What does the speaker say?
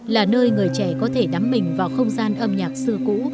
là nơi người trẻ có thể đắm mình vào không gian âm nhạc xưa cũ